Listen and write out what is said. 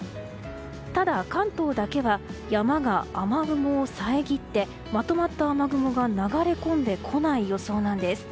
ただ、関東だけは山が雨雲を遮ってまとまった雨雲が流れ込んでこない予想なんです。